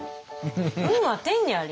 「運は天にあり」？